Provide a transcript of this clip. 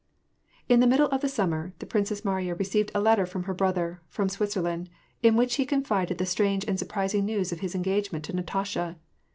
In the middle of the summer, the Princess Mariya received a letter from her brother, from Switzerland, in which he con fided the strange and surprising news of his engagement to Natasha.